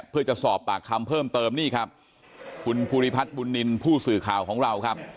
เพื่อจะสอบปากคำเพิ่มเติมนี่ครับคุณผู้สื่อข่าวของเราครับ